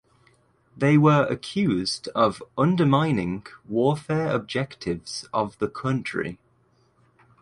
They were accused of "undermining warfare objectives of the country".